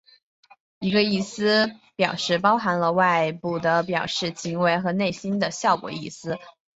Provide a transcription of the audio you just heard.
一个意思表示包含了外部的表示行为和内心的效果意思。